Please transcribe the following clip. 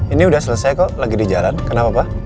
ini udah selesai kok lagi di jalan kenapa pak